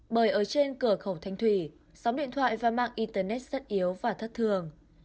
bởi ở trên cửa khẩu thanh thủy sóng điện thoại và mạng internet rất yếu và thất thường